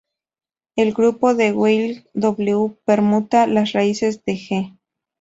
El grupo de Weyl "W" permuta las raíces de "G".